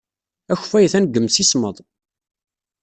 Akeffay atan deg yemsismeḍ.